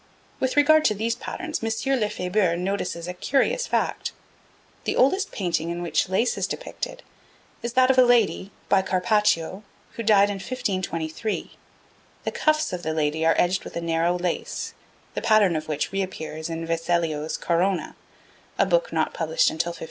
With regard to these patterns, M. Lefebure notices a curious fact. The oldest painting in which lace is depicted is that of a lady, by Carpaccio, who died about 1523. The cuffs of the lady are edged with a narrow lace, the pattern of which reappears in Vecellio's Corona, a book not published until 1591.